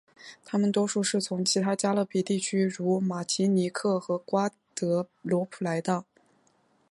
他们多数是从其他加勒比地区如马提尼克和瓜德罗普来到。